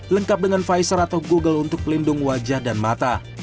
lengkap dengan pfizer atau google untuk pelindung wajah dan mata